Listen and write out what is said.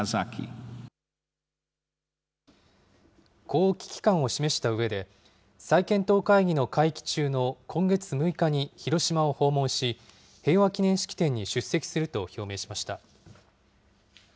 こう危機感を示したうえで、再検討会議の会期中の今月６日に広島を訪問し、平和記念式典に出席すると表明しました。